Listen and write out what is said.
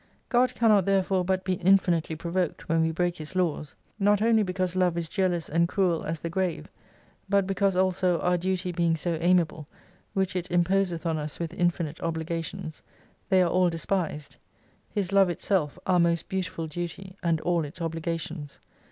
God cannot therefore but be infinitely provoked, when we break His laws. Not only because Love is jealous and cruel as the grave, but because also our duty being so amiable, which it imposeth on us with infinite obligations, they are all despised : His Love itself, our most beautifitl duty and all its obligations.